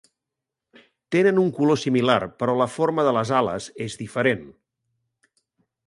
Tenen un color similar, però la forma de les ales és diferent.